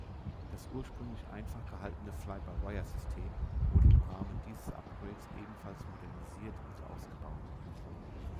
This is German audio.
Das ursprünglich einfach gehaltene Fly-by-wire-System wurde im Rahmen dieses Upgrades ebenfalls modernisiert und ausgebaut.